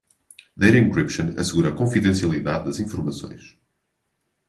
Data Encryption assegura a confidencialidade das informações.